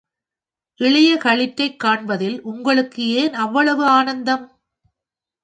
இளைய களிற்றைக் காண்பதில் உங்களுக்கு ஏன் அவ்வளவு ஆனந்தம்?